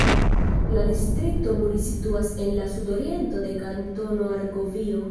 La distrikto Muri situas en la sudoriento de Kantono Argovio.